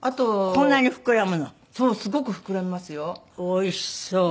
おいしそう。